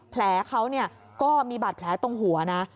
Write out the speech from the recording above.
แผลเขาก็มีบาดแผลตรงหัวนะ